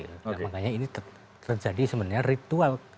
nah makanya ini terjadi sebenarnya ritual